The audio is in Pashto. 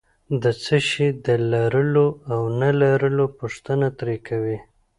د څه شي د لرلو او نه لرلو پوښتنه ترې کوي.